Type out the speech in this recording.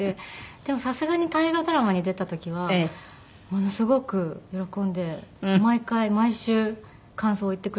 でもさすがに大河ドラマに出た時はものすごく喜んで毎回毎週感想を言ってくれるように。